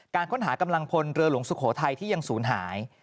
การค้นหากำลังพลเรือหลวงสุโขทัยที่ยังศูนย์หาย